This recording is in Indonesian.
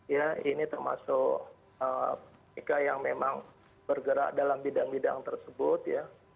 ya ini termasuk mereka yang memang bergerak dalam bidang bidang tersebut ya